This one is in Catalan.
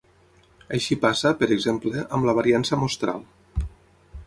Així passa, per exemple, amb la variància mostral.